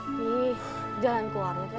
ih jalan keluarnya